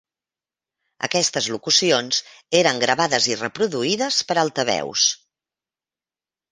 Aquestes locucions eren gravades i reproduïdes per altaveus.